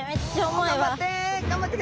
頑張って！